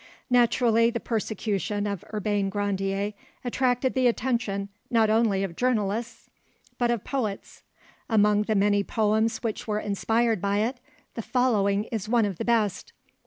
Naturally the persecution of Urbain Grandier attracted the attention not only of journalists but of poets. Among the many poems which were inspired by it, the following is one of the best.